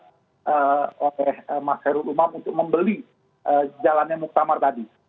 oleh mas heru rumah untuk membeli jalannya muqtamar tadi